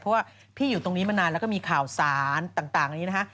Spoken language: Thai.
เพราะว่าพี่อยู่ตรงนี้มานานแล้วก็มีข่าวสารต่างนี้นะคะ